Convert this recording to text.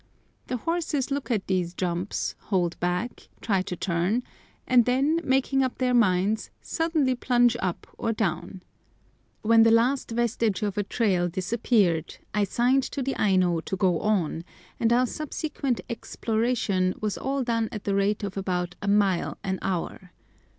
The horses look at these jumps, hold back, try to turn, and then, making up their minds, suddenly plunge down or up. When the last vestige of a trail disappeared, I signed to the Aino to go on, and our subsequent "exploration" was all done at the rate of about a mile an hour.